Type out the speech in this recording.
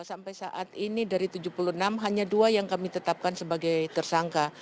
sampai saat ini dari tujuh puluh enam hanya dua yang kami tetapkan sebagai tersangka